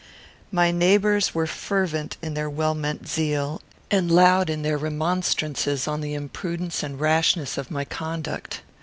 My neighbours were fervent in their well meant zeal, and loud in their remonstrances on the imprudence and rashness of my conduct.